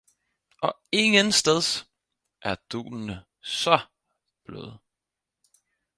og ingensteds er dunene så bløde